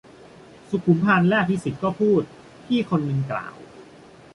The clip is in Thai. สุขุมพันธุ์และอภิสิทธิ์ ก็พูด - พี่คนหนึ่งกล่าว